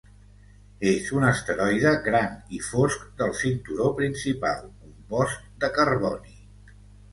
És un asteroide gran i fosc del cinturó principal compost de carboni.